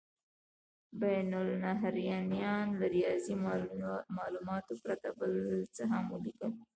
بین النهرینیانو له ریاضیکي مالوماتو پرته بل څه هم ولیکل.